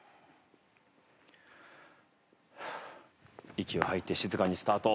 息を吐いて静かにスタート。